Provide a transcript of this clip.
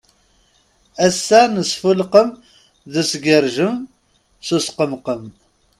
Ass-a n usfelqem d usgerjem, s usqemqem.